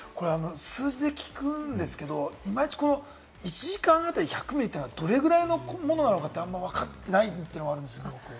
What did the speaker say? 数字で聞くんですけれども、いまいち１時間当たり１００ミリってどれぐらいのものなのかって、あんまりわかってないのがあるんですけれども。